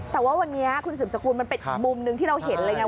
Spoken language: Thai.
แต่ว่าวันนี้คุณสืบสกุลมันเป็นอีกมุมหนึ่งที่เราเห็นเลยไง